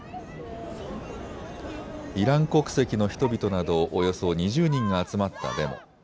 イラン国籍の人々などおよそ２０人が集まったデモ。